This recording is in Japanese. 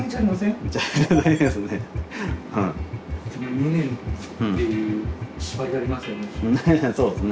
２年っていう縛りがありますよね。